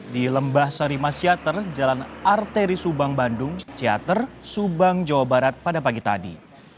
di lembah sari masyater jalan arteri subang bandung ciater subang jawa barat pada pagi tadi